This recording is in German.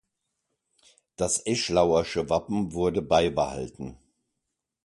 Das Eschlauer’sche Wappen wurde beibehalten.